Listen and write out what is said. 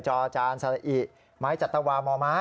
จอาจารย์สลัยอิอะไรจตะวามม